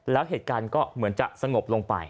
แล้วเหตุการณ์ก็เหมือนจะสงบลงไป